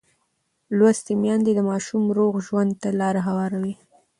لوستې میندې د ماشوم روغ ژوند ته لار هواروي.